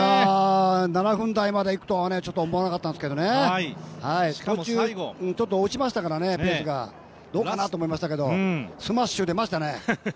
７分台までいくとは、ちょっと思わなかったんですけど途中ペースが落ちましたからどうかなと思いましたけど、スマッシュ、出ましたね。